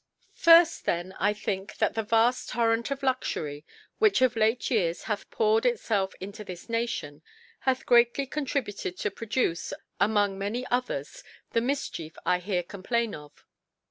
FIRST then, I think, that the vaft Torrent of Luxury which of late Years hath poured itfelf into this Nation, hath grcaily contributed to produce, among many others, the Mifchief 1 here, complain of.